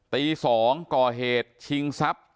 ตี๒ก่อเหตุชิงทรัพย์